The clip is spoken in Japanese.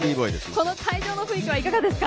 この会場の雰囲気はいかがですか。